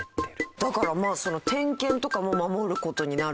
だから点検とかも守る事になるし。